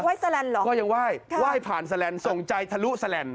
ไหว้สลันหรอก็ยังไหว้ไหว้ผ่านสลันส่งใจทะลุสลัน